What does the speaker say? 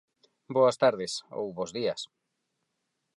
Boas tardes, ou bos días.